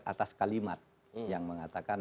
atas kalimat yang mengatakan